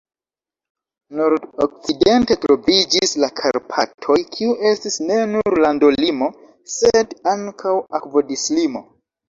Nord-okcidente troviĝis la Karpatoj, kiu estis ne nur landolimo, sed ankaŭ akvodislimo.